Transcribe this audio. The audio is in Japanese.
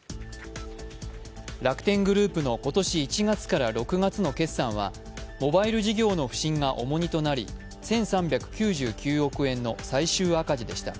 楽天グループの今年１月から６月の決算はモバイル事業の不振が重荷となり１３９９億円の最終赤字でした。